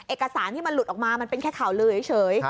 เอกสารที่มันหลุดออกมามันเป็นแค่ข่าวลือเฉย